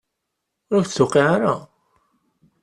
Ur ak-d-tuqiɛ ara?